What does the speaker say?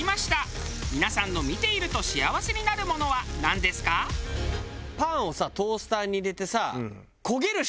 皆さんの見ていると幸せになるものはなんですか？と思うんだけどさ